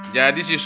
terus terus terus